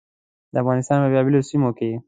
د افغانستان په بېلابېلو سیمو کې.